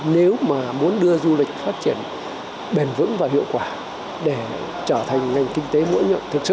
nếu mà muốn đưa du lịch phát triển bền vững và hiệu quả để trở thành ngành kinh tế mũi nhọn thực sự